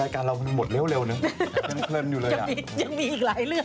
รายการเรามันหมดเร็วนึงยังมีอีกหลายเรื่อง